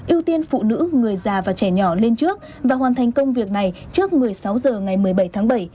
ưu tiên phụ nữ người già và trẻ nhỏ lên trước và hoàn thành công việc này trước một mươi sáu h ngày một mươi bảy tháng bảy